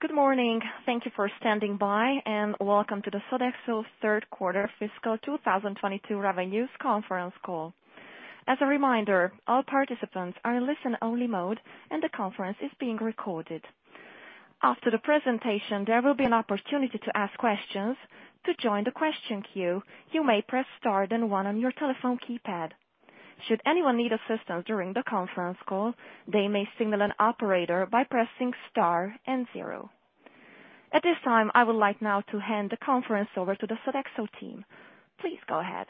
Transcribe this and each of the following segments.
Good morning. Thank you for standing by, and welcome to the Sodexo third quarter fiscal 2022 revenues conference call. As a reminder, all participants are in listen-only mode, and the conference is being recorded. After the presentation, there will be an opportunity to ask questions. To join the question queue, you may press star then one on your telephone keypad. Should anyone need assistance during the conference call, they may signal an operator by pressing star and zero. At this time, I would like now to hand the conference over to the Sodexo team. Please go ahead.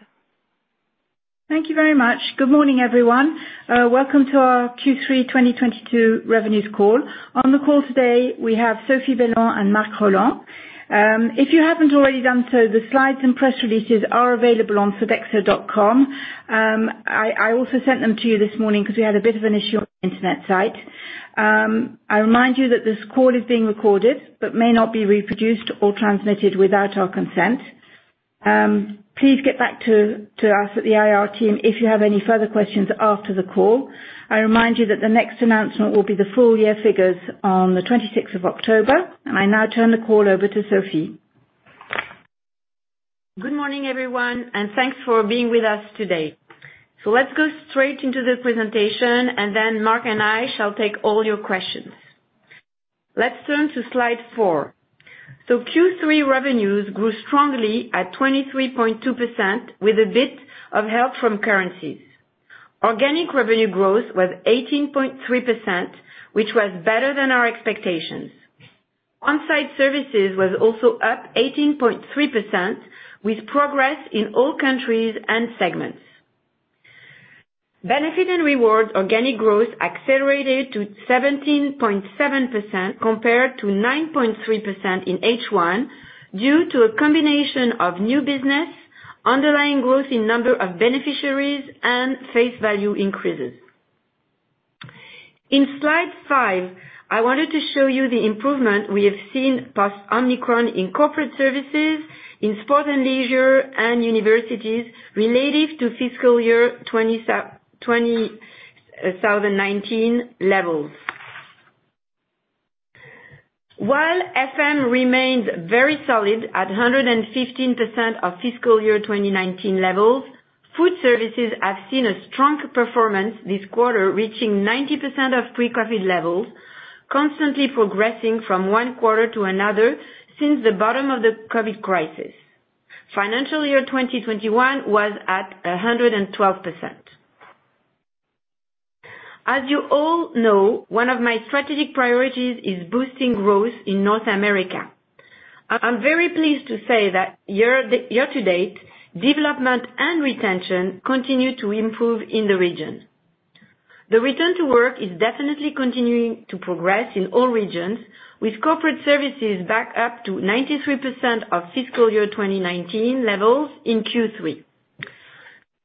Thank you very much. Good morning, everyone. Welcome to our Q3 2022 revenues call. On the call today, we have Sophie Bellon and Marc Rolland. If you haven't already done so, the slides and press releases are available on sodexo.com. I also sent them to you this morning 'cause we had a bit of an issue on the internet site. I remind you that this call is being recorded, but may not be reproduced or transmitted without our consent. Please get back to us at the IR team if you have any further questions after the call. I remind you that the next announcement will be the full year figures on the 26, October. I now turn the call over to Sophie. Good morning, everyone, and thanks for being with us today. Let's go straight into the presentation, and then Marc and I shall take all your questions. Let's turn to slide four. Q3 revenues grew strongly at 23.2% with a bit of help from currencies. Organic revenue growth was 18.3%, which was better than our expectations. On-site services was also up 18.3% with progress in all countries and segments. Benefits & Rewards organic growth accelerated to 17.7% compared to 9.3% in H1 due to a combination of new business, underlying growth in number of beneficiaries, and face value increases. In slide five, I wanted to show you the improvement we have seen post-Omicron in corporate services, in sport and leisure, and universities relative to fiscal year 2019 levels. While FM remains very solid at 115% of fiscal year 2019 levels, food services have seen a strong performance this quarter, reaching 90% of pre-COVID levels, constantly progressing from one quarter to another since the bottom of the COVID crisis. Fiscal year 2021 was at 112%. As you all know, one of my strategic priorities is boosting growth in North America. I'm very pleased to say that year to date, development and retention continue to improve in the region. The return to work is definitely continuing to progress in all regions with corporate services back up to 93% of fiscal year 2019 levels in Q3.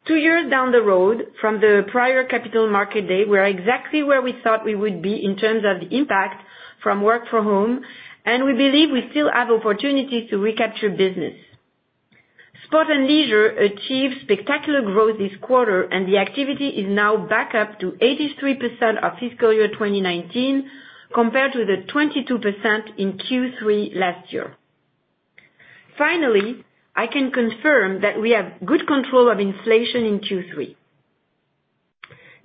Two years down the road from the prior Capital Markets Day, we're exactly where we thought we would be in terms of the impact from work from home, and we believe we still have opportunities to recapture business. Sport and leisure achieved spectacular growth this quarter, and the activity is now back up to 83% of fiscal year 2019 compared to the 22% in Q3 last year. Finally, I can confirm that we have good control of inflation in Q3.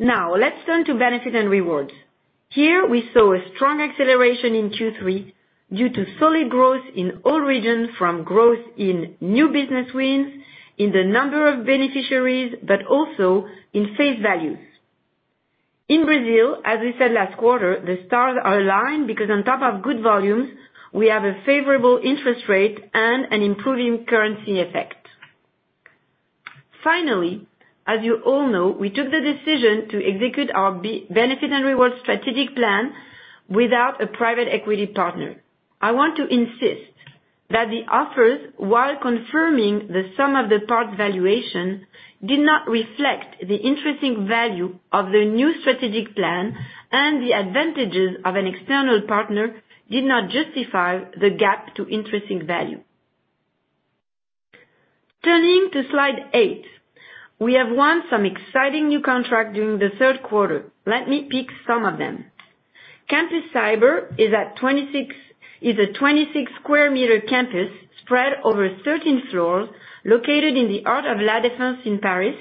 Now, let's turn to benefits and rewards. Here, we saw a strong acceleration in Q3 due to solid growth in all regions from growth in new business wins, in the number of beneficiaries, but also in face values. In Brazil, as we said last quarter, the stars are aligned because on top of good volumes, we have a favorable interest rate and an improving currency effect. Finally, as you all know, we took the decision to execute our benefit and reward strategic plan without a private equity partner. I want to insist that the offers, while confirming the sum of the parts valuation, did not reflect the intrinsic value of the new strategic plan, and the advantages of an external partner did not justify the gap to intrinsic value. Turning to slide 8. We have won some exciting new contract during the third quarter. Let me pick some of them. Campus Cyber is a 26 square meter campus spread over 13 floors located in the heart of La Défense in Paris.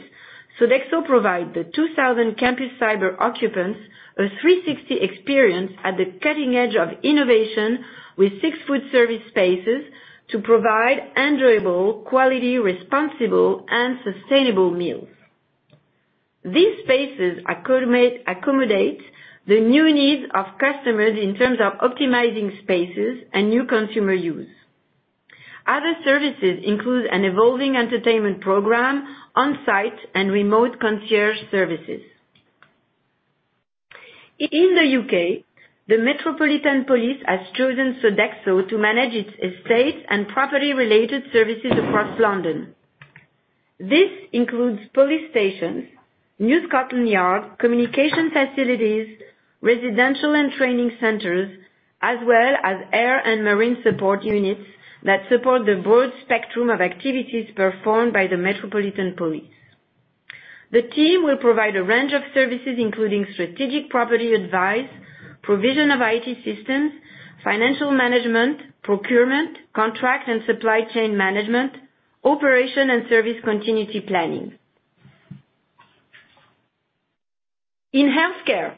Sodexo provide the 2,000 Campus Cyber occupants a 360 experience at the cutting edge of innovation with six food service spaces to provide enjoyable, quality, responsible, and sustainable meals. These spaces accommodate the new needs of customers in terms of optimizing spaces and new consumer use. Other services include an evolving entertainment program on site and remote concierge services. In the U.K., the Metropolitan Police has chosen Sodexo to manage its estate and property-related services across London. This includes police stations, New Scotland Yard, communication facilities, residential and training centers, as well as air and marine support units that support the broad spectrum of activities performed by the Metropolitan Police. The team will provide a range of services, including strategic property advice, provision of IT systems, financial management, procurement, contract and supply chain management, operation and service continuity planning. In healthcare,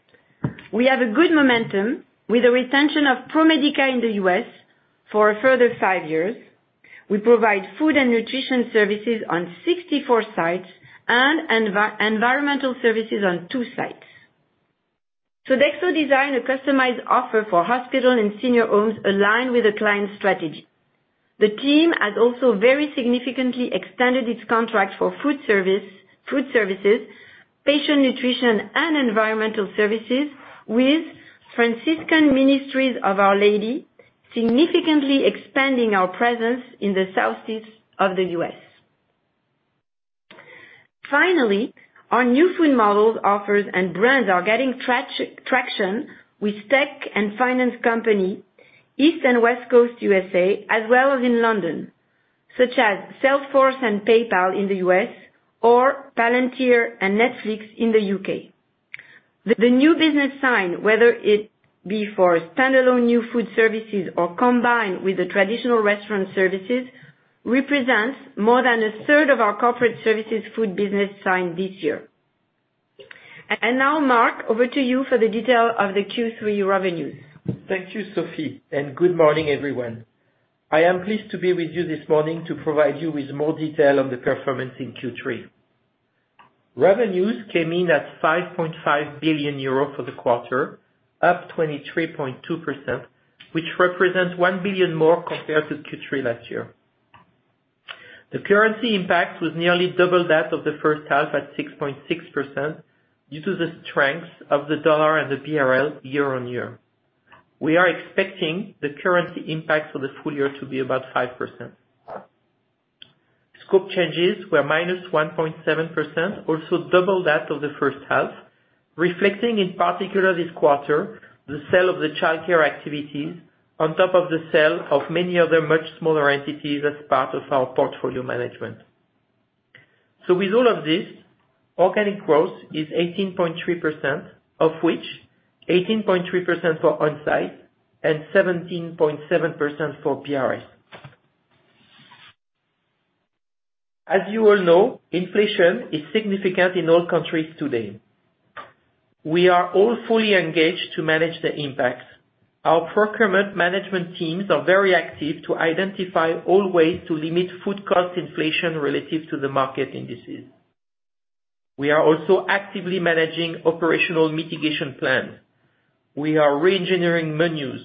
we have a good momentum with the retention of ProMedica in the U.S. for a further five years. We provide food and nutrition services on 64 sites and environmental services on two sites. Sodexo designed a customized offer for hospital and senior homes aligned with the client's strategy. The team has also very significantly extended its contract for food service, food services, patient nutrition and environmental services with Franciscan Missionaries of Our Lady Health System, significantly expanding our presence in the Southeast of the US. Finally, our new food models, offers, and brands are getting traction with tech and finance companies, East and West Coast, USA, as well as in London, such as Salesforce and PayPal in the U.S. or Palantir and Netflix in the U.K. The new business signed, whether it be for standalone new food services or combined with the traditional restaurant services, represents more than a third of our corporate services food business signed this year. Now, Marc, over to you for the detail of the Q3 revenues. Thank you, Sophie, and good morning, everyone. I am pleased to be with you this morning to provide you with more detail on the performance in Q3. Revenues came in at 5.5 billion euro for the quarter, up 23.2%, which represents 1 billion more compared to Q3 last year. The currency impact was nearly double that of the first half at 6.6% due to the strength of the U.S. dollar and the BRL year on year. We are expecting the currency impact for the full year to be about 5%. Scope changes were -1.7%, also double that of the first half, reflecting in particular this quarter, the sale of the childcare activities on top of the sale of many other much smaller entities as part of our portfolio management. With all of this, organic growth is 18.3%, of which 18.3% for Onsite and 17.7% for BRS. As you all know, inflation is significant in all countries today. We are all fully engaged to manage the impacts. Our procurement management teams are very active to identify all ways to limit food cost inflation relative to the market indices. We are also actively managing operational mitigation plan. We are reengineering menus.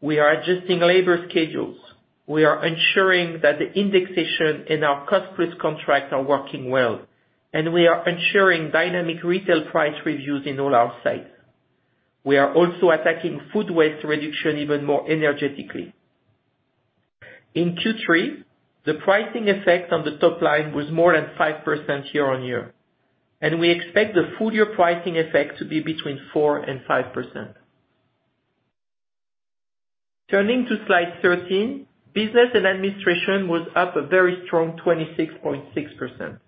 We are adjusting labor schedules. We are ensuring that the indexation in our cost-plus contracts are working well, and we are ensuring dynamic retail price reviews in all our sites. We are also attacking food waste reduction even more energetically. In Q3, the pricing effect on the top line was more than 5% year-on-year, and we expect the full year pricing effect to be between 4% and 5%. Turning to slide 13, Business & Administration was up a very strong 26.6%.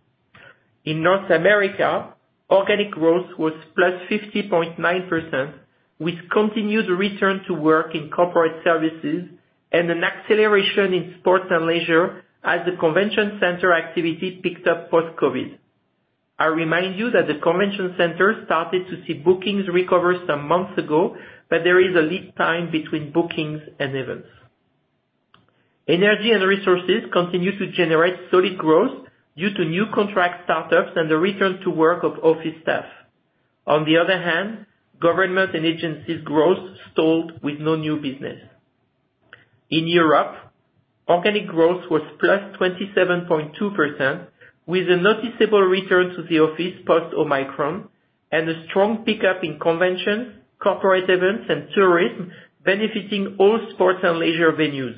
In North America, organic growth was +50.9%, which continued return to work in corporate services and an acceleration in sports and leisure as the convention center activity picked up post-COVID. I remind you that the convention center started to see bookings recover some months ago, but there is a lead time between bookings and events. Energy & Resources continue to generate solid growth due to new contract startups and the return to work of office staff. On the other hand, Government & Agencies growth stalled with no new business. In Europe, organic growth was +27.2%, with a noticeable return to the office post-Omicron and a strong pickup in conventions, corporate events, and tourism benefiting all sports and leisure venues.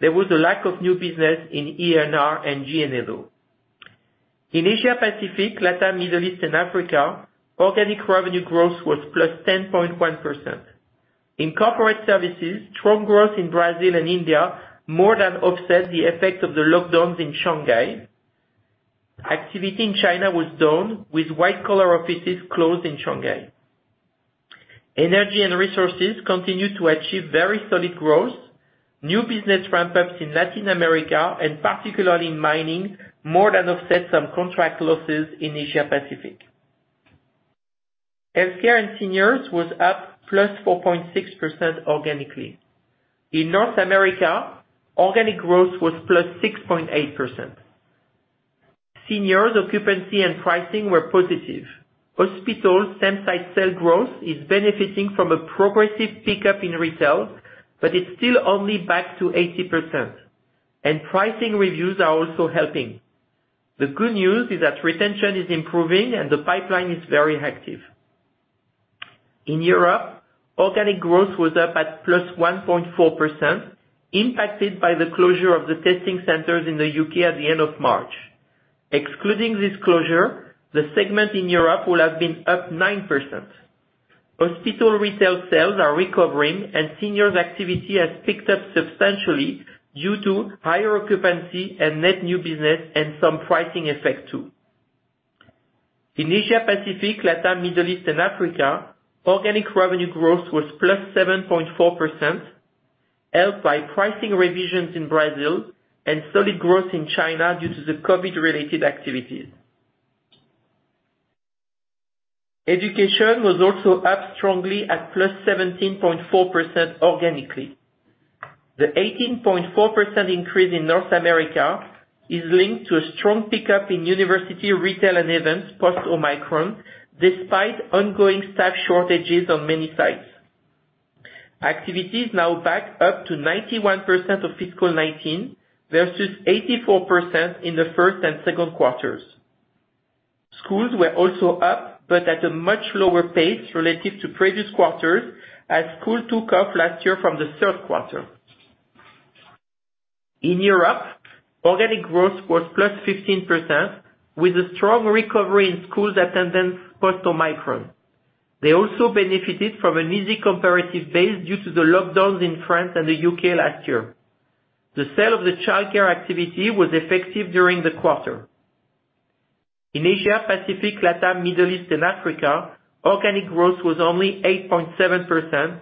There was a lack of new business in E&R and G&A. In Asia Pacific, Latam, Middle East, and Africa, organic revenue growth was +10.1%. In corporate services, strong growth in Brazil and India more than offset the effect of the lockdowns in Shanghai. Activity in China was down, with white collar offices closed in Shanghai. Energy and resources continued to achieve very solid growth. New business ramp ups in Latin America, and particularly in mining, more than offset some contract losses in Asia Pacific. Healthcare and seniors was up +4.6% organically. In North America, organic growth was +6.8%. Seniors occupancy and pricing were positive. Hospital same site sale growth is benefiting from a progressive pickup in retail, but it's still only back to 80%, and pricing reviews are also helping. The good news is that retention is improving and the pipeline is very active. In Europe, organic growth was up at +1.4%, impacted by the closure of the testing centers in the U.K. at the end of March. Excluding this closure, the segment in Europe will have been up 9%. Hospital retail sales are recovering and seniors activity has picked up substantially due to higher occupancy and net new business and some pricing effect too. In Asia Pacific, Latam, Middle East and Africa, organic revenue growth was +7.4%, helped by pricing revisions in Brazil and solid growth in China due to the COVID related activities. Education was also up strongly at +17.4% organically. The 18.4% increase in North America is linked to a strong pickup in university retail and events post Omicron, despite ongoing staff shortages on many sites. Activity is now back up to 91% of fiscal 2019 versus 84% in the first and second quarters. Schools were also up, but at a much lower pace relative to previous quarters as schools took off last year from the third quarter. In Europe, organic growth was +15% with a strong recovery in schools attendance post Omicron. They also benefited from an easy comparative base due to the lockdowns in France and the U.K. last year. The sale of the childcare activity was effective during the quarter. In Asia, Pacific, Latam, Middle East and Africa, organic growth was only 8.7%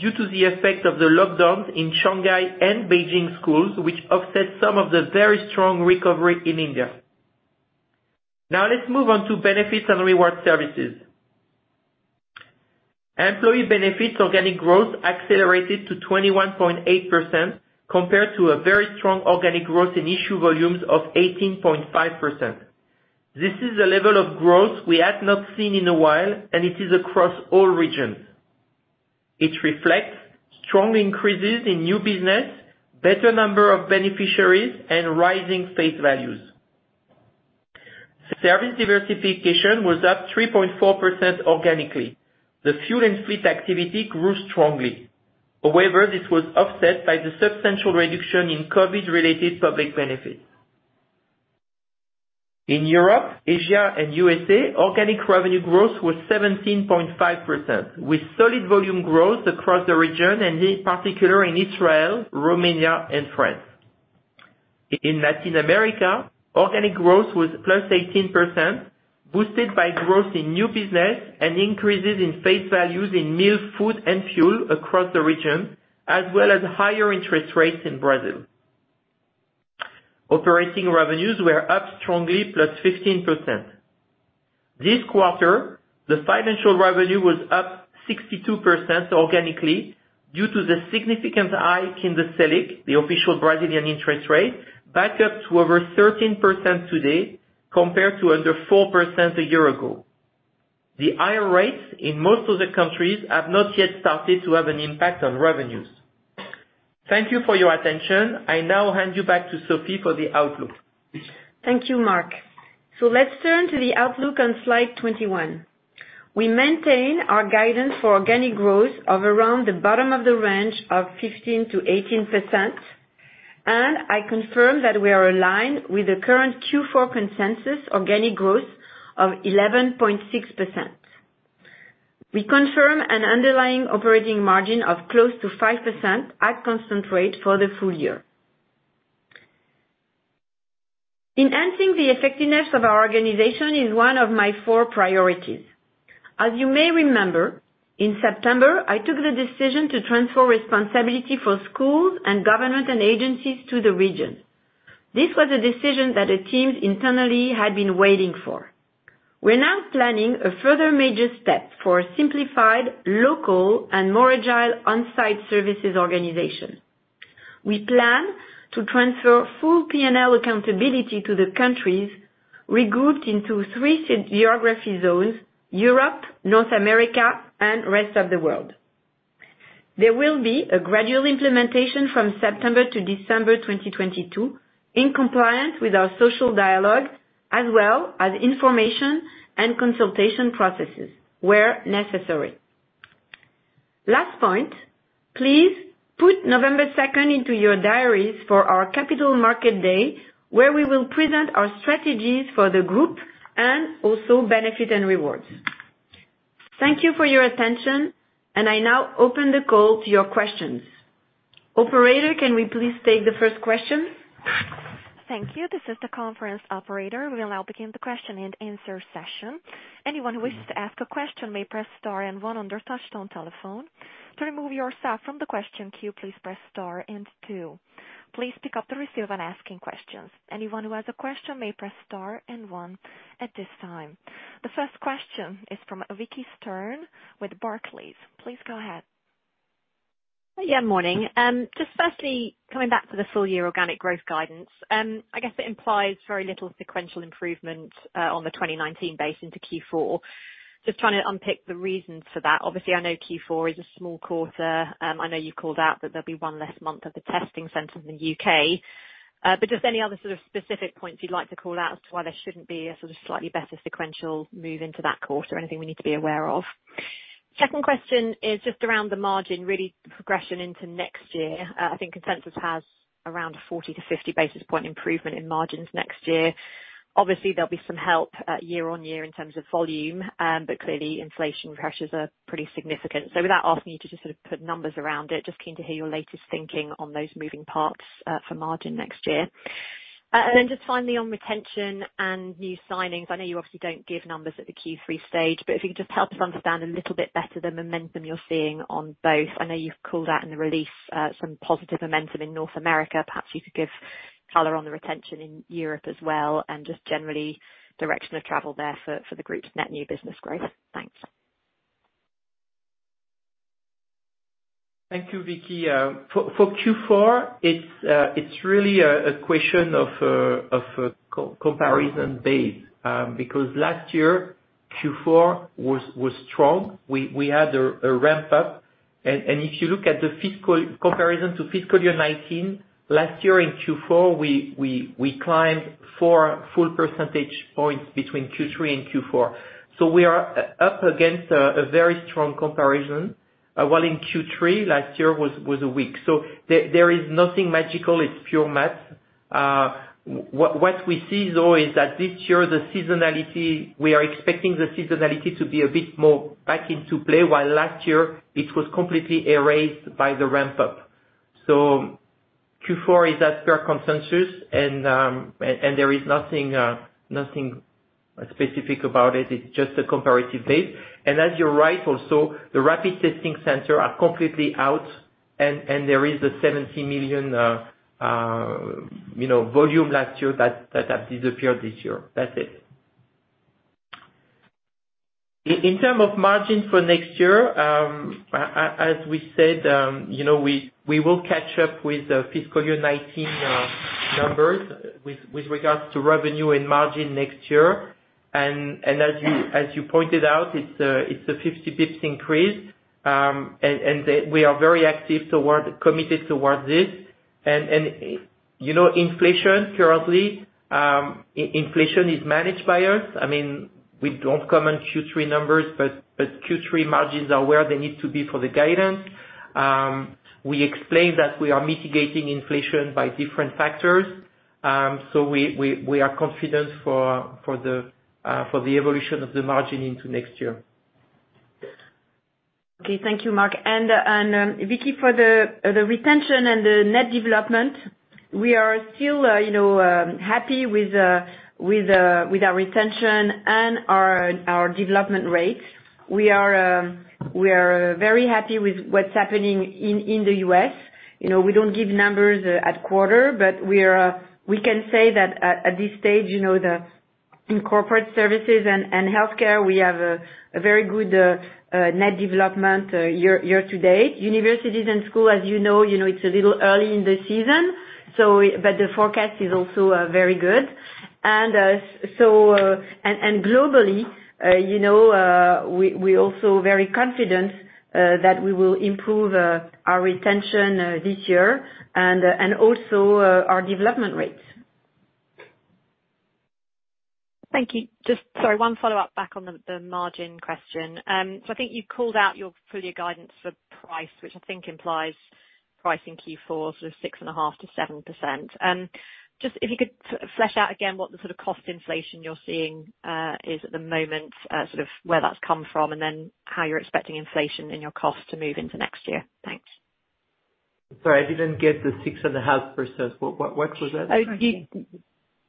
due to the effect of the lockdowns in Shanghai and Beijing schools, which offset some of the very strong recovery in India. Now let's move on to Benefits and Rewards Services. Employee Benefits organic growth accelerated to 21.8% compared to a very strong organic growth in issue volumes of 18.5%. This is a level of growth we have not seen in a while, and it is across all regions. It reflects strong increases in new business, better number of beneficiaries and rising face values. Service diversification was up 3.4% organically. The fuel and fleet activity grew strongly. However, this was offset by the substantial reduction in COVID-related public benefits. In Europe, Asia and USA, organic revenue growth was 17.5%, with solid volume growth across the region and in particular in Israel, Romania and France. In Latin America, organic growth was +18%, boosted by growth in new business and increases in face values in meals, food and fuel across the region, as well as higher interest rates in Brazil. Operating revenues were up strongly +15%. This quarter, the financial revenue was up 62% organically due to the significant hike in the Selic, the official Brazilian interest rate, back up to over 13% today, compared to under 4% a year ago. The higher rates in most of the countries have not yet started to have an impact on revenues. Thank you for your attention. I now hand you back to Sophie for the outlook. Thank you, Marc. Let's turn to the outlook on slide 21. We maintain our guidance for organic growth of around the bottom of the range of 15%-18%, and I confirm that we are aligned with the current Q4 consensus organic growth of 11.6%. We confirm an underlying operating margin of close to 5% at constant rate for the full year. Enhancing the effectiveness of our organization is one of my four priorities. As you may remember, in September, I took the decision to transfer responsibility for schools and government and agencies to the region. This was a decision that the teams internally had been waiting for. We're now planning a further major step for a simplified, local and more agile on-site services organization. We plan to transfer full P&L accountability to the countries regrouped into three geographic zones, Europe, North America and rest of the world. There will be a gradual implementation from September to December 2022, in compliance with our social dialogue, as well as information and consultation processes where necessary. Last point, please put November 2 into your diaries for our Capital Markets Day, where we will present our strategies for the group and also Benefits & Rewards. Thank you for your attention, and I now open the call to your questions. Operator, can we please take the first question? Thank you. This is the conference operator. We will now begin the question-and-answer session. Anyone who wishes to ask a question may press star and one on their touchtone telephone. To remove yourself from the question queue, please press star and two. Please pick up the receiver when asking questions. Anyone who has a question may press star and one at this time. The first question is from Vicki Stern with Barclays. Please go ahead. Yeah, morning. Just firstly, coming back to the full year organic growth guidance, I guess it implies very little sequential improvement on the 2019 base into Q4. Just trying to unpick the reasons for that. Obviously, I know Q4 is a small quarter. I know you've called out that there'll be one less month of the testing centers in the U.K., but just any other sort of specific points you'd like to call out as to why there shouldn't be a sort of slightly better sequential move into that quarter. Anything we need to be aware of? Second question is just around the margin, really progression into next year. I think consensus has around a 40-50 basis point improvement in margins next year. Obviously, there'll be some help year-on-year in terms of volume, but clearly inflation pressures are pretty significant. Without asking you to just sort of put numbers around it, just keen to hear your latest thinking on those moving parts for margin next year. Then just finally on retention and new signings. I know you obviously don't give numbers at the Q3 stage, but if you can just help us understand a little bit better the momentum you're seeing on both. I know you've called out in the release some positive momentum in North America. Perhaps you could give color on the retention in Europe as well and just generally direction of travel there for the group's net new business growth. Thanks. Thank you, Vicki. For Q4, it's really a question of comparative base. Because last year, Q4 was strong. We had a ramp-up and if you look at the fiscal comparison to fiscal year 2019, last year in Q4, we climbed four full percentage points between Q3 and Q4. We are up against a very strong comparison. While in Q3 last year was weak. There is nothing magical. It's pure math. What we see though is that this year, the seasonality, we are expecting the seasonality to be a bit more back into play, while last year it was completely erased by the ramp-up. Q4 is as per consensus and there is nothing specific about it. It's just a comparative base. As you're right, also, the rapid testing centers are completely out and there is the 70 million, you know, volume last year that has disappeared this year. That's it. In terms of margin for next year, as we said, you know, we will catch up with fiscal year 2019 numbers with regards to revenue and margin next year. As you pointed out, it's a 50-50 increase. We are very committed towards this. You know, inflation currently, inflation is managed by us. I mean, we don't comment Q3 numbers, but Q3 margins are where they need to be for the guidance. We explained that we are mitigating inflation by different factors. We are confident for the evolution of the margin into next year. Okay. Thank you, Marc. Vicky, for the retention and the net development, we are still you know happy with our retention and our development rates. We are very happy with what's happening in the US. You know, we don't give numbers at quarter, but we can say that at this stage, you know, in corporate services and healthcare, we have a very good net development year to date. Universities and school, as you know, it's a little early in the season, but the forecast is also very good. Globally, you know, we also very confident that we will improve our retention this year and also our development rates. Thank you. One follow-up back on the margin question. I think you called out your full year guidance for price, which I think implies price in Q4 sort of 6.5%-7%. Just if you could flesh out again what the sort of cost inflation you're seeing is at the moment, sort of where that's come from, and then how you're expecting inflation in your cost to move into next year. Thanks. Sorry, I didn't get the 6.5%. What was that?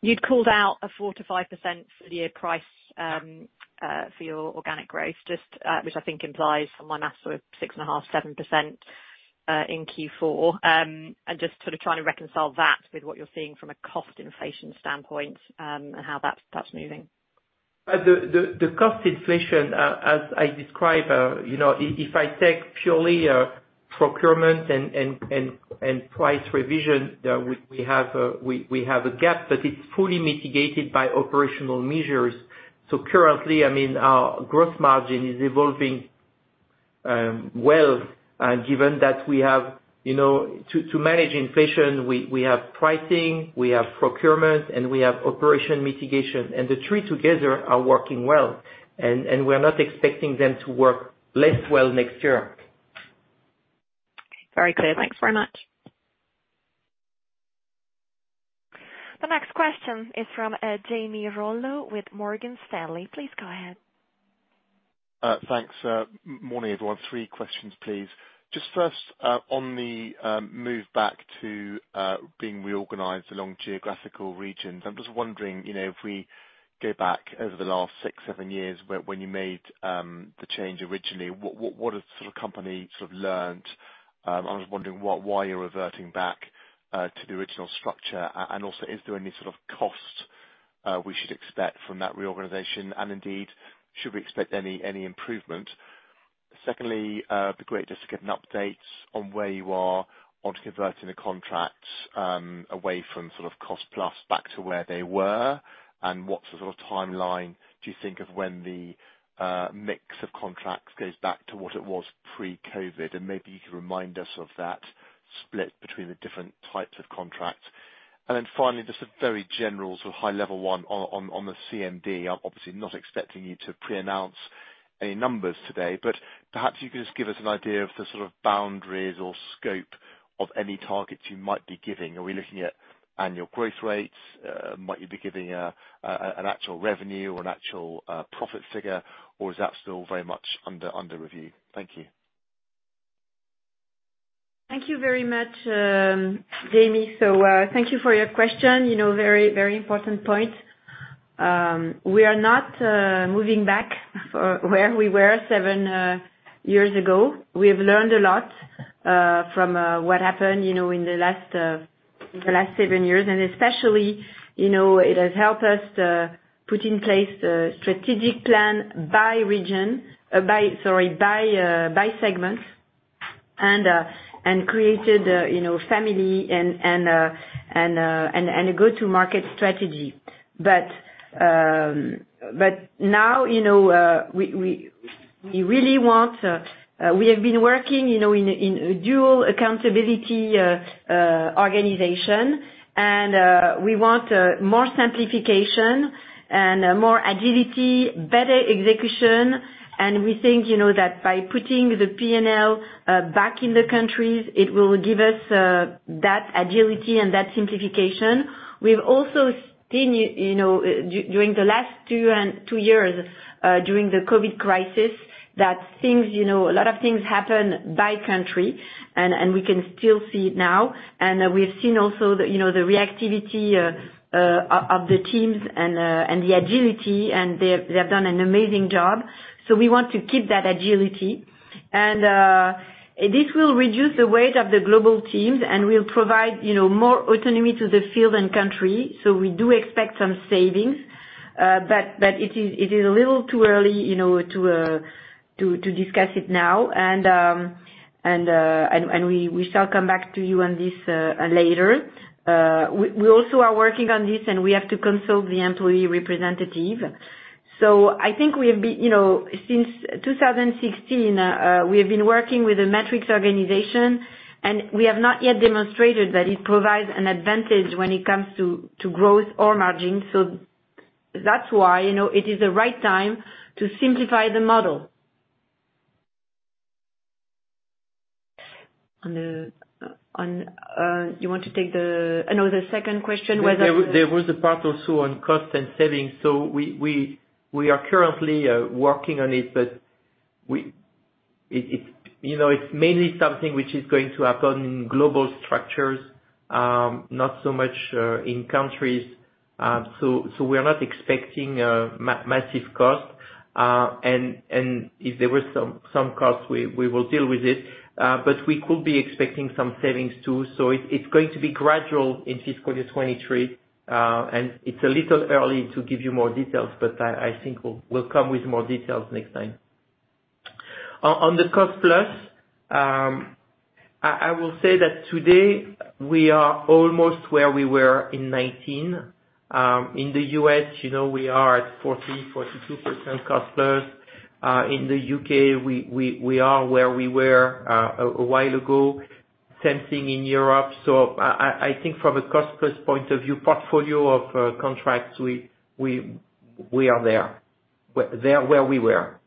You'd called out a 4%-5% full year pricing for your organic growth, which I think implies from my math sort of 6.5-7% in Q4. Trying to reconcile that with what you're seeing from a cost inflation standpoint and how that's moving. The cost inflation, as I describe, you know, if I take purely procurement and price revision, we have a gap, but it's fully mitigated by operational measures. Currently, I mean, our gross margin is evolving well, and given that we have, you know, to manage inflation, we have pricing, we have procurement, and we have operational mitigation. The three together are working well, and we're not expecting them to work less well next year. Very clear. Thanks very much. The next question is from Jamie Rollo with Morgan Stanley. Please go ahead. Thanks. Morning, everyone. Three questions, please. Just first, on the move back to being reorganized along geographical regions. I'm just wondering, you know, if we go back over the last six, seven years when you made the change originally, what has the company sort of learned? I was wondering why you're reverting back to the original structure. And also, is there any sort of cost we should expect from that reorganization? And indeed, should we expect any improvement? Secondly, it'd be great just to get an update on where you are on converting the contracts away from sort of cost-plus back to where they were. And what sort of timeline do you think of when the mix of contracts goes back to what it was pre-COVID? Maybe you could remind us of that split between the different types of contracts. Finally, just a very general sort of high level one on the CMD. I'm obviously not expecting you to pre-announce any numbers today, but perhaps you could just give us an idea of the sort of boundaries or scope of any targets you might be giving. Are we looking at annual growth rates? Might you be giving an actual revenue or an actual profit figure, or is that still very much under review? Thank you. Thank you very much, Jamie. Thank you for your question. You know, very, very important point. We are not moving back to where we were seven years ago. We have learned a lot from what happened, you know, in the last seven years. Especially, you know, it has helped us to put in place the strategic plan by segment, and created, you know, family and a go-to market strategy. Now, you know, we really want, we have been working, you know, in a dual accountability organization and we want more simplification and more agility, better execution. We think, you know, that by putting the P&L back in the countries, it will give us that agility and that simplification. We've also seen, you know, during the last two years, during the COVID crisis, that things, you know, a lot of things happen by country and we can still see it now. We've seen also the, you know, the reactivity of the teams and the agility, and they have done an amazing job. We want to keep that agility. This will reduce the weight of the global teams and will provide, you know, more autonomy to the field and country. We do expect some savings, but it is a little too early, you know, to discuss it now. We shall come back to you on this later. We also are working on this, and we have to consult the employee representative. I think we've been, you know, since 2016, we have been working with a matrix organization, and we have not yet demonstrated that it provides an advantage when it comes to growth or margin. That's why, you know, it is the right time to simplify the model. On the, on, you want to take the. Another second question whether- There was a part also on cost and savings. We are currently working on it, but it's, you know, it's mainly something which is going to happen in global structures, not so much in countries. We are not expecting massive cost. If there were some costs, we will deal with it, but we could be expecting some savings too. It's going to be gradual in fiscal year 2023, and it's a little early to give you more details, but I think we'll come with more details next time. On the cost-plus, I will say that today we are almost where we were in 2019. In the U.S., you know, we are at 40%-42% cost-plus. In the U.K., we are where we were a while ago, same thing in Europe. I think from a cost-plus point of view, portfolio of contracts, we are there where we were.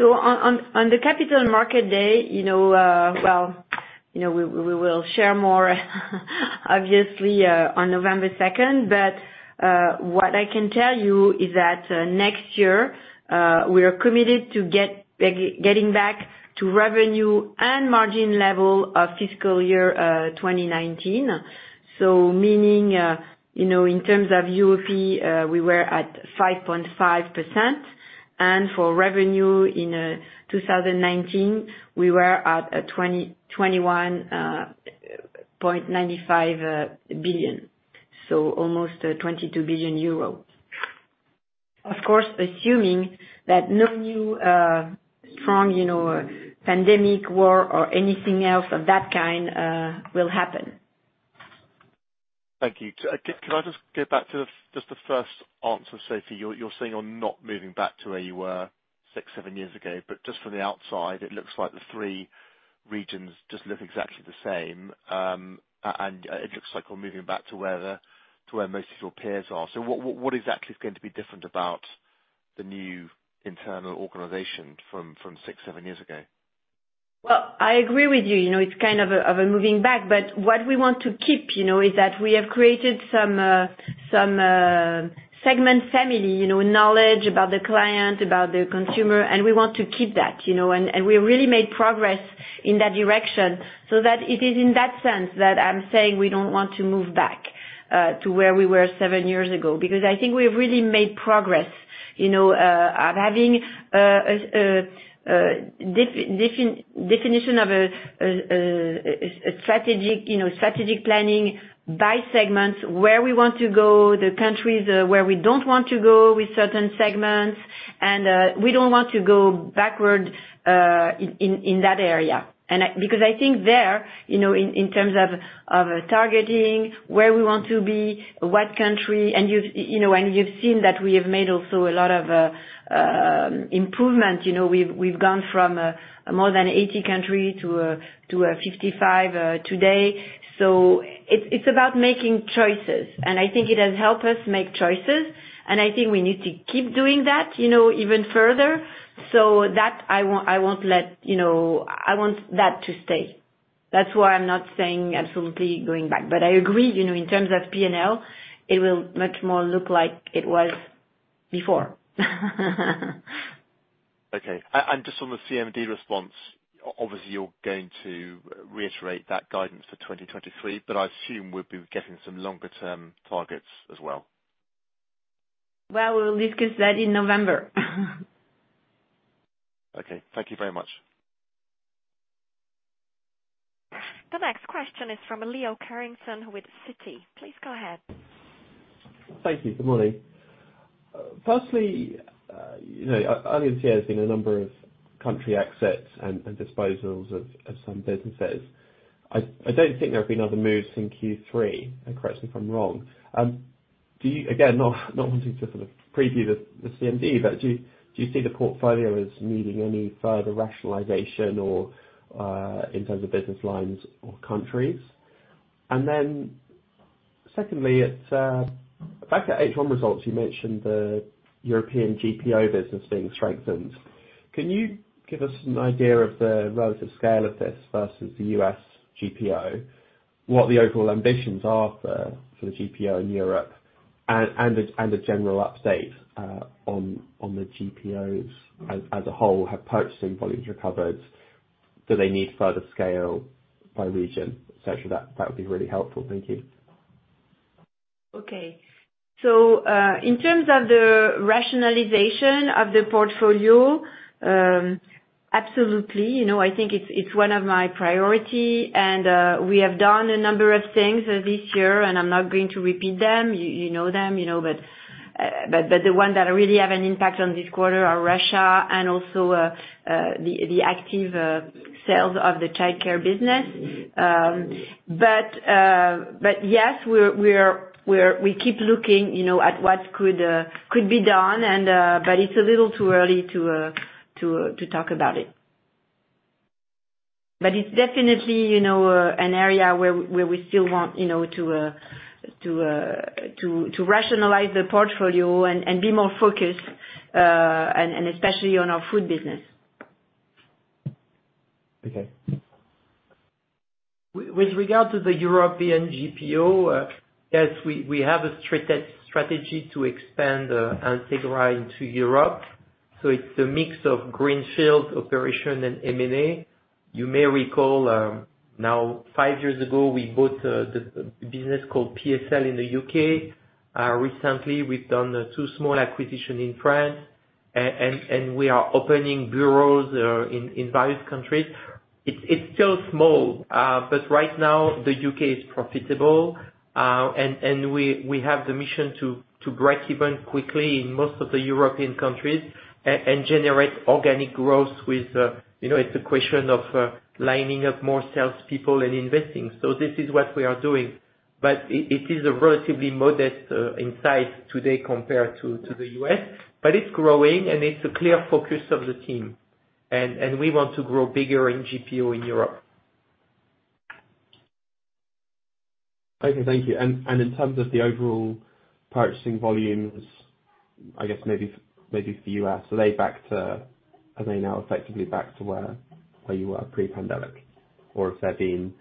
On the Capital Markets Day, we will share more obviously on November second. What I can tell you is that next year we are committed to getting back to revenue and margin level of fiscal year 2019. Meaning, in terms of UOP, we were at 5.5%, and for revenue in 2019, we were at 21.95 billion, so almost 22 billion euros. Of course, assuming that no new strong pandemic, war or anything else of that kind will happen. Thank you. Can I just go back to just the first answer, Sophie? You're saying you're not moving back to where you were six, seven years ago, but just from the outside, it looks like the three regions just look exactly the same. It looks like we're moving back to where most of your peers are. What exactly is going to be different about the new internal organization from six, seven years ago? Well, I agree with you. You know, it's kind of a moving back, but what we want to keep, you know, is that we have created some segment family, you know, knowledge about the client, about the consumer, and we want to keep that, you know. We really made progress in that direction so that it is in that sense that I'm saying we don't want to move back to where we were seven years ago. Because I think we've really made progress, you know, of having definition of strategic planning by segments, where we want to go, the countries where we don't want to go with certain segments. We don't want to go backward in that area. Because I think there, you know, in terms of targeting, where we want to be, what country, and you've seen that we have made also a lot of improvement. You know, we've gone from more than 80 countries to 55 today. It's about making choices, and I think it has helped us make choices and I think we need to keep doing that, you know, even further. That I won't let, you know, I want that to stay. That's why I'm not saying absolutely going back. I agree, you know, in terms of P&L, it will much more look like it was before. Okay. Just on the CMD response, obviously, you're going to reiterate that guidance for 2023, but I assume we'll be getting some longer term targets as well. Well, we'll discuss that in November. Okay. Thank you very much. The next question is from Leo Carrington with Citi. Please go ahead. Thank you. Good morning. Firstly, you know, earlier this year, there's been a number of country exits and disposals of some businesses. I don't think there have been other moves since Q3, and correct me if I'm wrong. Again, not wanting to sort of preview the CMD, but do you see the portfolio as needing any further rationalization or in terms of business lines or countries? Secondly, it's back at H1 results, you mentioned the European GPO business being strengthened. Can you give us an idea of the relative scale of this versus the U.S. GPO? What the overall ambitions are for the GPO in Europe, and a general update on the GPOs as a whole. Have purchasing volumes recovered? Do they need further scale by region, et cetera. That would be really helpful. Thank you. Okay. In terms of the rationalization of the portfolio, absolutely, you know, I think it's one of my priority and we have done a number of things this year, and I'm not going to repeat them. You know them, you know, but the one that really have an impact on this quarter are Russia and also the active sales of the childcare business. Yes, we keep looking, you know, at what could be done. It's a little too early to talk about it. It's definitely, you know, an area where we still want, you know, to rationalize the portfolio and be more focused and especially on our food business. Okay. With regard to the EMEA GPO, yes, we have a strategy to expand Entegra into Europe. It's a mix of greenfield operation and M&A. You may recall, now five years ago, we bought the business called PSL in the U.K. Recently we've done two small acquisitions in France. We are opening bureaus in various countries. It's still small, but right now the U.K. is profitable, and we have the mission to break even quickly in most of the EMEA countries and generate organic growth with, you know, it's a question of lining up more salespeople and investing. This is what we are doing. It is a relatively modest in size today compared to the U.S. It's growing and it's a clear focus of the team. We want to grow bigger in GPO in Europe. Okay. Thank you. In terms of the overall purchasing volumes, I guess maybe for the U.S., are they now effectively back to where you were pre-pandemic? Or has that been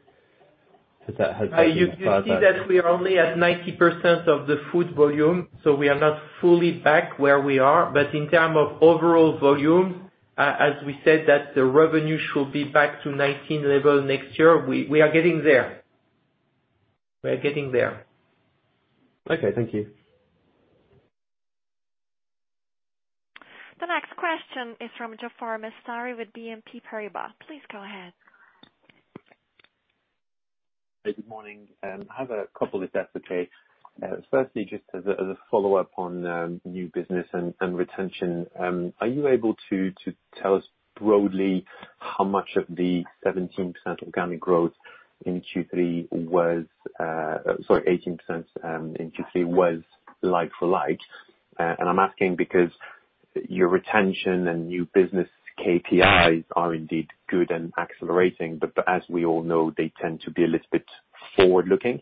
further- You see that we are only at 90% of the food volume, so we are not fully back where we are. In terms of overall volume, as we said, that the revenue should be back to 2019 level next year. We are getting there. We are getting there. Okay. Thank you. The next question is from Jaafar Mestari with BNP Paribas. Please go ahead. Good morning. I have a couple of questions. Firstly, just as a follow-up on new business and retention, are you able to tell us broadly how much of the 18% organic growth in Q3 was like for like? I'm asking because your retention and new business KPIs are indeed good and accelerating, but as we all know, they tend to be a little bit forward-looking.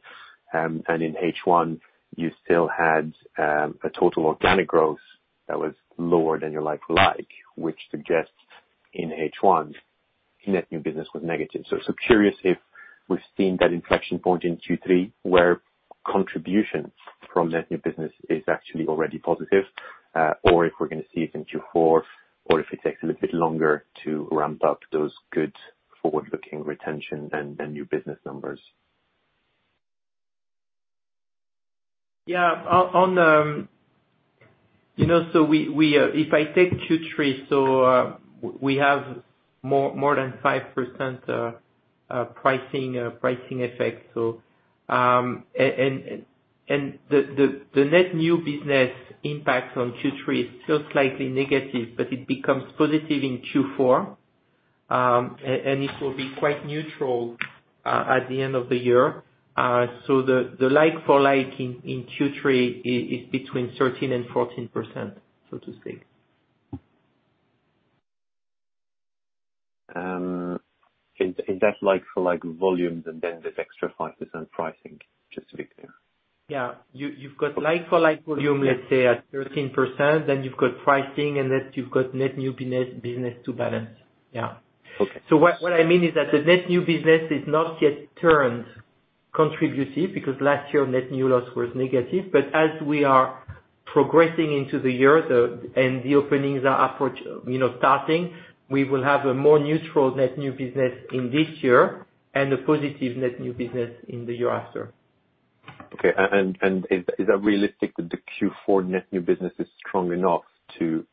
In H1, you still had a total organic growth that was lower than your like for like, which suggests in H1, net new business was negative. Curious if we've seen that inflection point in Q3 where contribution from net new business is actually already positive, or if we're gonna see it in Q4, or if it takes a little bit longer to ramp up those good forward-looking retention and new business numbers? You know, if I take Q3, we have more than 5% pricing effect. And the net new business impact on Q3 is still slightly negative, but it becomes positive in Q4. And it will be quite neutral at the end of the year. The like-for-like in Q3 is between 13% and 14%, so to speak. Is that like for like volumes and then there's extra 5% pricing, just to be clear? Yeah. You've got like-for-like volume, let's say at 13%, then you've got pricing, and then you've got net new business to balance. Yeah. Okay. What I mean is that the net new business is not yet turned contributive, because last year, net new loss was negative. As we are progressing into the year, you know, starting, we will have a more neutral net new business in this year and a positive net new business in the year after. Okay, is that realistic that the Q4 net new business is strong enough to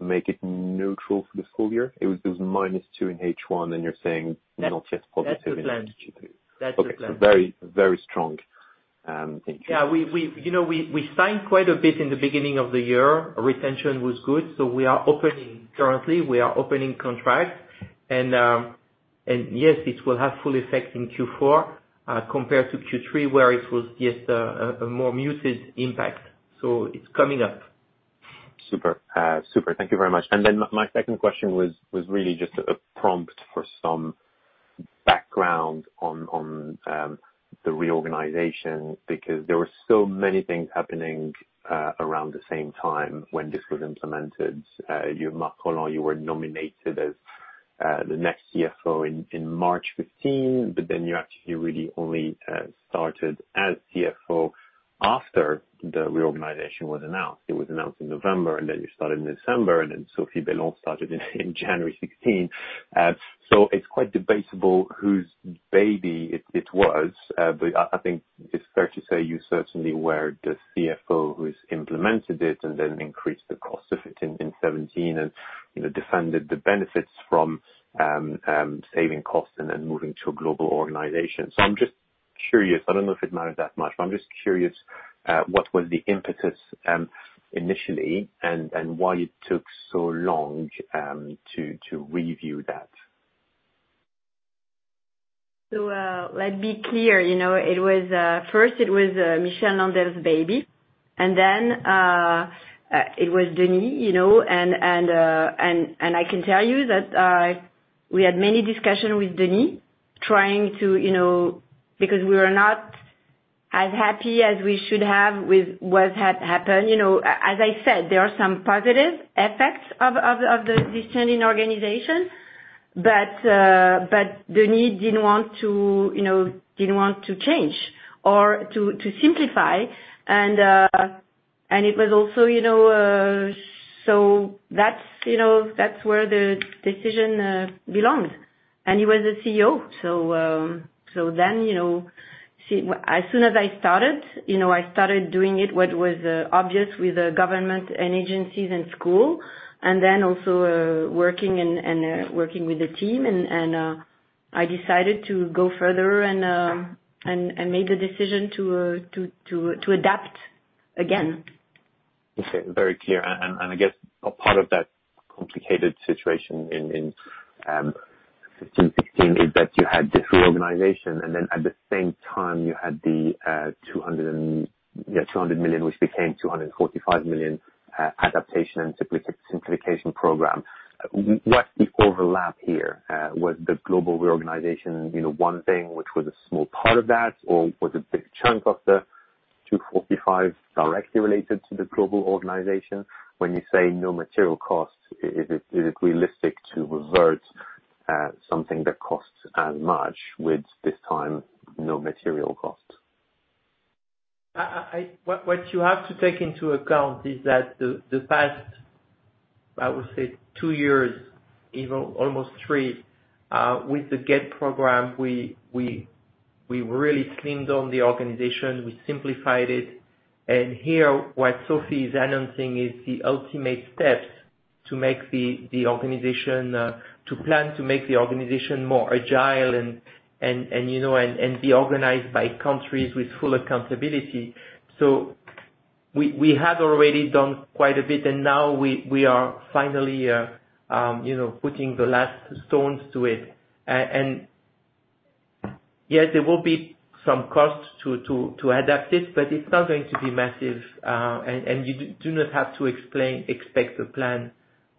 make it neutral for this full year? It was -2 in H1, and you're saying not yet positive. That's the plan. Okay. Very, very strong in Q4. Yeah, you know, we signed quite a bit in the beginning of the year. Retention was good, so we are currently opening contracts. Yes, it will have full effect in Q4 compared to Q3, where it was just a more muted impact. It's coming up. Super. Thank you very much. Then my second question was really just a prompt for some background on the reorganization, because there were so many things happening around the same time when this was implemented. You, Marc Rolland, you were nominated as the next CFO in March 2015, but then you actually really only started as CFO after the reorganization was announced. It was announced in November, and then you started in December, and then Sophie Bellon started in January 2016. So it's quite debatable whose baby it was. But I think it's fair to say you certainly were the CFO who's implemented it and then increased the cost of it in 2017 and you know, defended the benefits from saving costs and then moving to a global organization. I'm just curious, I don't know if it matters that much, but I'm just curious, what was the impetus, initially and why it took so long to review that? Let's be clear, you know, it was first Michel Landel's baby, and then it was Denis, you know. I can tell you that we had many discussions with Denis trying to, you know, because we were not as happy as we should have with what had happened. You know, as I said, there are some positive effects of this turning organization. Denis didn't want to, you know, change or to simplify. It was also, you know. That's, you know, that's where the decision belongs. He was the CEO. As soon as I started, you know, I started doing it what was obvious with the government and agencies and school, and then also working with the team, and I decided to go further and made the decision to adapt again. Okay. Very clear. I guess a part of that complicated situation in 2015, 2016 is that you had the reorganization, and then at the same time you had the 200 million, which became 245 million, adaptation and simplification program. What's the overlap here? Was the global reorganization, you know, one thing which was a small part of that, or was a big chunk of the 245 directly related to the global organization? When you say no material cost, is it realistic to revert something that costs as much with this time no material cost? What you have to take into account is that the past, I would say two years, even almost three, with the GET program, we really cleaned down the organization, we simplified it. Here, what Sophie is announcing is the ultimate steps to make the organization more agile and, you know, be organized by countries with full accountability. We have already done quite a bit, and now we are finally, you know, putting the last stones to it. Yes, there will be some costs to adapt it, but it's not going to be massive. You do not have to expect a plan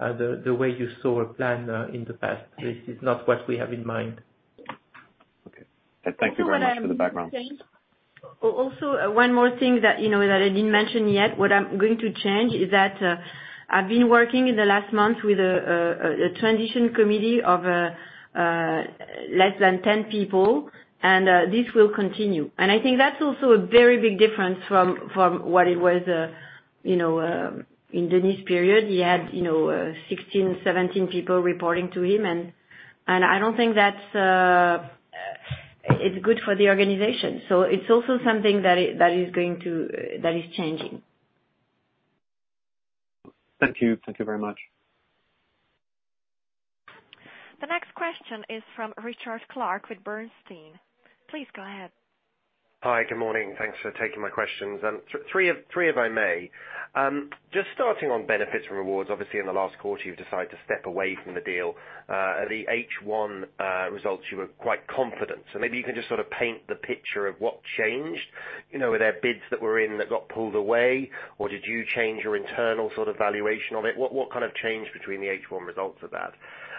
the way you saw a plan in the past. This is not what we have in mind. Okay. Thank you very much for the background. One more thing that, you know, that I didn't mention yet, what I'm going to change is that, I've been working in the last month with a transition committee of less than 10 people, and this will continue. I think that's also a very big difference from what it was, you know, in Denis' period. He had, you know, 16, 17 people reporting to him, and I don't think that's good for the organization. It's also something that is going to change. Thank you. Thank you very much. The next question is from Richard Clarke with Bernstein. Please go ahead. Hi. Good morning. Thanks for taking my questions. Three if I may. Just starting on Benefits and Rewards, obviously in the last quarter you've decided to step away from the deal. At the H1 results, you were quite confident. Maybe you can just sort of paint the picture of what changed. You know, were there bids that were in that got pulled away, or did you change your internal sort of valuation on it? What kind of change between the H1 results and that?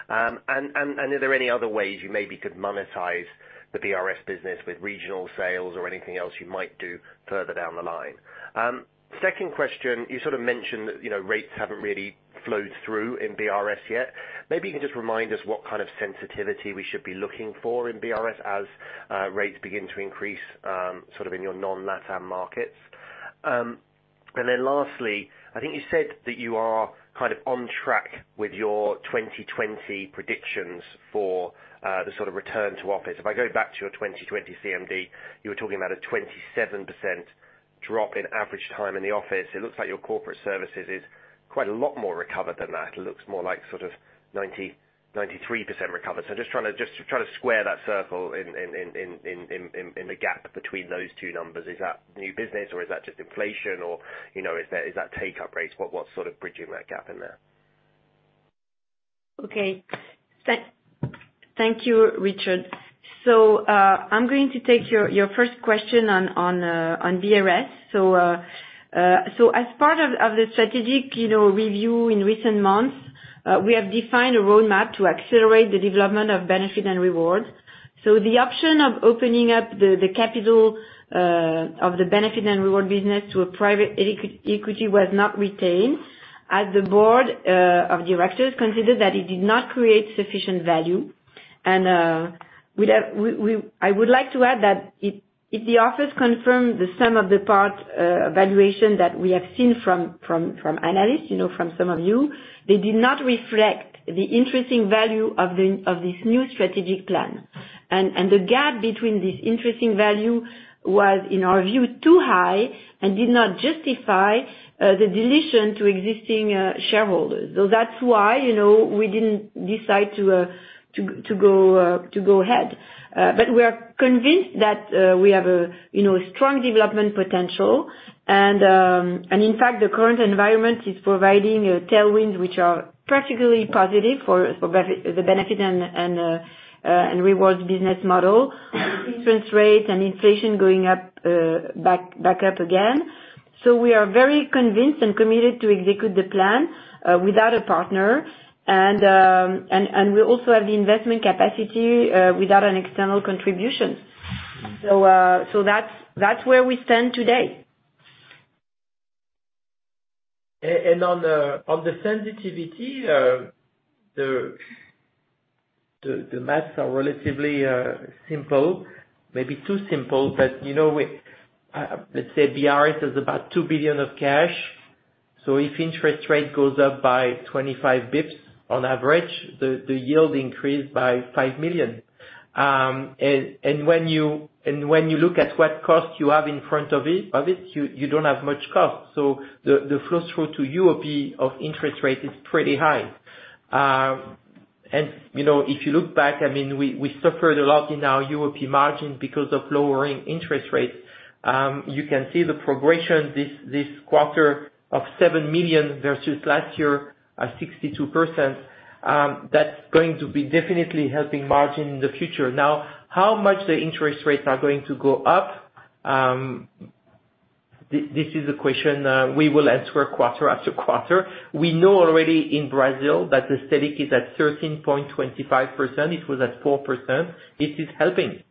And are there any other ways you maybe could monetize the BRS business with regional sales or anything else you might do further down the line? Second question, you sort of mentioned that, you know, rates haven't really flowed through in BRS yet. Maybe you can just remind us what kind of sensitivity we should be looking for in BRS as rates begin to increase sort of in your non-LATAM markets. Lastly, I think you said that you are kind of on track with your 2020 predictions for the sort of return to office. If I go back to your 2020 CMD, you were talking about a 27% drop in average time in the office. It looks like your corporate services is quite a lot more recovered than that. It looks more like sort of 90-93% recovered. Just trying to square that circle in the gap between those two numbers. Is that new business or is that just inflation or, you know, is that take-up rates? What's sort of bridging that gap in there? Okay. Thank you, Richard. I'm going to take your first question on BRS. As part of the strategic, you know, review in recent months, we have defined a roadmap to accelerate the development of Benefits and Rewards. The option of opening up the capital of the Benefits and Rewards business to a private equity was not retained as the board of directors considered that it did not create sufficient value. I would like to add that if the offers confirmed the sum-of-the-parts valuation that we have seen from analysts, you know, from some of you, they did not reflect the intrinsic value of this new strategic plan. The gap between this interesting value was, in our view, too high and did not justify the dilution to existing shareholders. That's why, you know, we didn't decide to go ahead. We are convinced that we have a, you know, strong development potential. In fact, the current environment is providing tailwinds which are particularly positive for the Benefits and Rewards business model. Interest rates and inflation going up back up again. We are very convinced and committed to execute the plan without a partner. We also have the investment capacity without an external contribution. That's where we stand today. On the sensitivity, the math is relatively simple, maybe too simple. You know, let's say BRS has about 2 billion of cash. If interest rate goes up by 25 bps on average, the yield increased by 5 million. When you look at what cost you have in front of it, you don't have much cost. The flow through to EBITDA of interest rate is pretty high. You know, if you look back, I mean, we suffered a lot in our EBITDA margin because of lowering interest rates. You can see the progression this quarter of 7 million versus last year at 62%. That's going to be definitely helping margin in the future. Now, how much the interest rates are going to go up, this is a question, we will answer quarter after quarter. We know already in Brazil that the Selic is at 13.25%. It was at 4%. This is helping.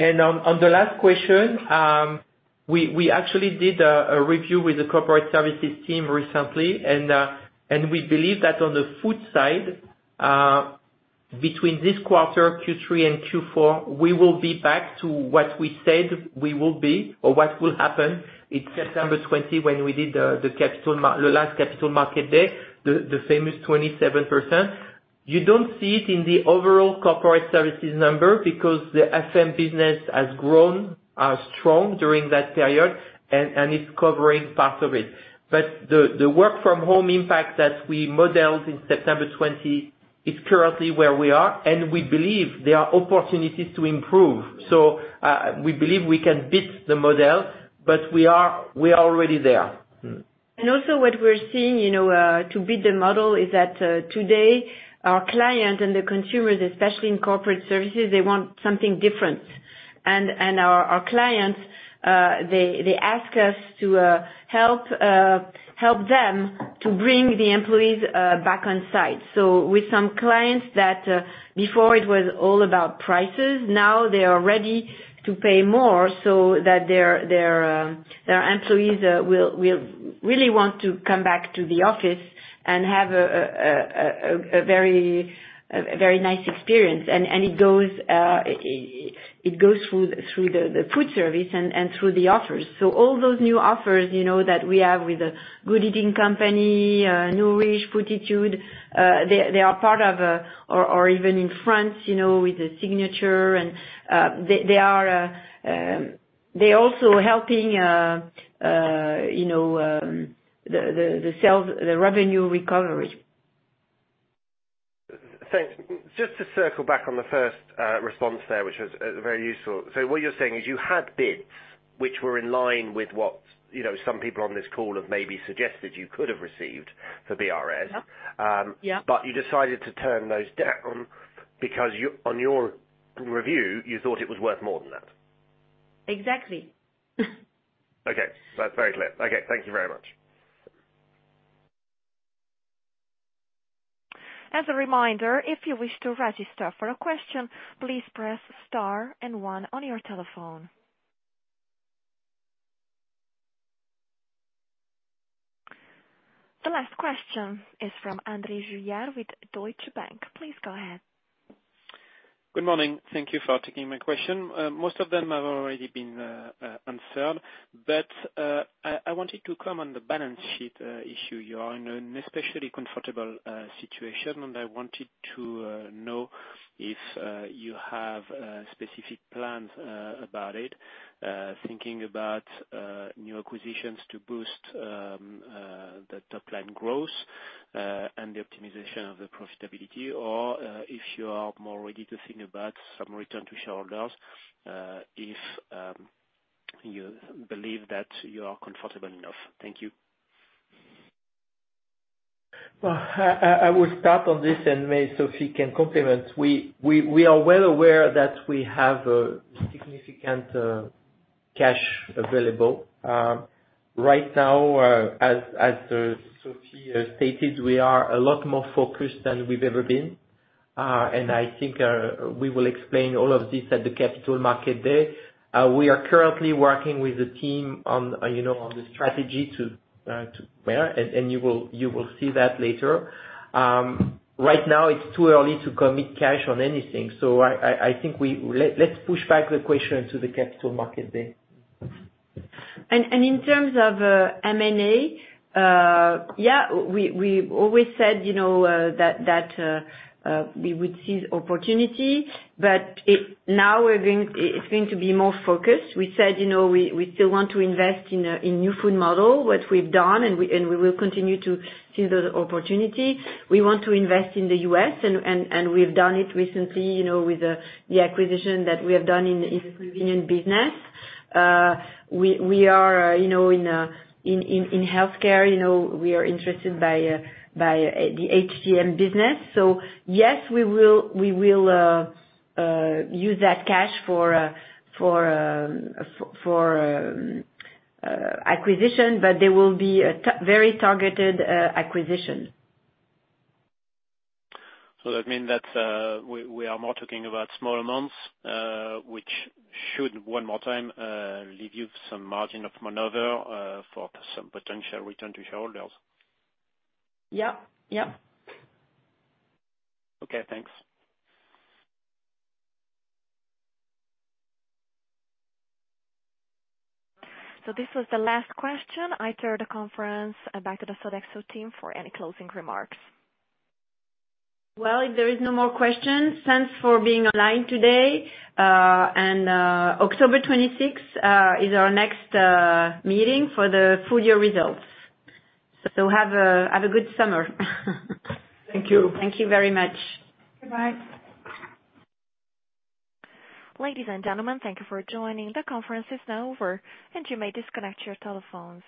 On the last question, we actually did a review with the corporate services team recently. We believe that on the food side, between this quarter, Q3 and Q4, we will be back to what we said we will be or what will happen. It's September 20 when we did the last Capital Markets Day, the famous 27%. You don't see it in the overall corporate services number because the FM business has grown strong during that period and it's covering part of it. The work from home impact that we modeled in September 2020 is currently where we are, and we believe there are opportunities to improve. We believe we can beat the model, but we are already there. Also what we're seeing, you know, to beat the model is that today our client and the consumers, especially in corporate services, they want something different. Our clients they ask us to help them to bring the employees back on site. With some clients that before it was all about prices, now they are ready to pay more so that their employees will really want to come back to the office and have a very nice experience. It goes through the food service and through the offers. All those new offers, you know, that we have with the Good Eating Company, Nourish, Fooditude, they are part of. Even in France, you know, with La Signature and they are, you know, the sales, the revenue recovery. Thanks. Just to circle back on the first response there, which was very useful. What you're saying is you had bids which were in line with what, you know, some people on this call have maybe suggested you could have received for BRS. Yeah. Yeah. you decided to turn those down because on your review, you thought it was worth more than that. Exactly. Okay. That's very clear. Okay. Thank you very much. As a reminder, if you wish to register for a question, please press star and one on your telephone. The last question is from André Juillard with Deutsche Bank. Please go ahead. Good morning. Thank you for taking my question. Most of them have already been answered, but I wanted to comment on the balance sheet issue. You are in an especially comfortable situation, and I wanted to know if you have specific plans about it, thinking about new acquisitions to boost the top line growth and the optimization of the profitability, or if you are more ready to think about some return to shareholders, if you believe that you are comfortable enough. Thank you. Well, I will start on this, and maybe Sophie can complement. We are well aware that we have significant cash available. Right now, as Sophie has stated, we are a lot more focused than we've ever been. I think we will explain all of this at the Capital Markets Day. We are currently working with the team on the strategy. You will see that later. Right now it's too early to commit cash on anything. I think. Let's push back the question to the Capital Markets Day. In terms of M&A, yeah, we've always said, you know, that we would seize opportunity, but it's going to be more focused. We said, you know, we still want to invest in new food model, what we've done, and we will continue to seize those opportunity. We want to invest in the U.S. and we've done it recently, you know, with the acquisition that we have done in the convenience business. We are, you know, in healthcare, you know, we are interested by the HCM business. Yes, we will use that cash for acquisition, but they will be a very targeted acquisition. That mean that we are more talking about small amounts, which should, one more time, leave you some margin of maneuver for some potential return to shareholders. Yep. Yep. Okay. Thanks. This was the last question. I turn the conference back to the Sodexo team for any closing remarks. Well, if there is no more questions, thanks for being online today. October 26 is our next meeting for the full year results. Have a good summer. Thank you. Thank you very much. Bye. Ladies and gentlemen, thank you for joining. The conference is now over, and you may disconnect your telephones.